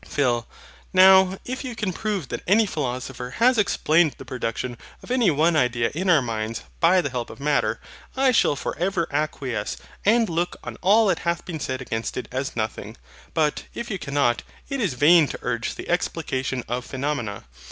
PHIL. Now, if you can prove that any philosopher has explained the production of any one idea in our minds by the help of MATTER, I shall for ever acquiesce, and look on all that hath been said against it as nothing; but, if you cannot, it is vain to urge the explication of phenomena.